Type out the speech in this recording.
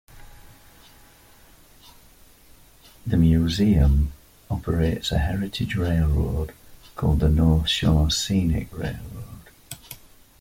The museum operates a heritage railroad called the North Shore Scenic Railroad.